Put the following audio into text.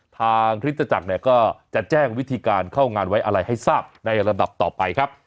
คริสตจักรเนี่ยก็จะแจ้งวิธีการเข้างานไว้อะไรให้ทราบในระดับต่อไปครับ